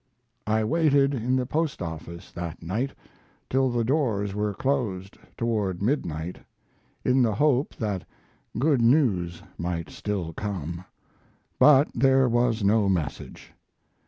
I waited in the post office that night till the doors were closed, toward midnight, in the hope that good news might still come, but there was no message.